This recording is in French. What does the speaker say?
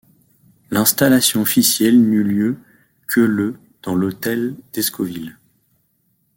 L'installation officielle n'eut lieu que le dans l'hôtel d'Escoville.